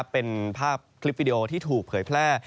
เป็นภาพคลิปวิดีโอที่ถูกเผยแพร่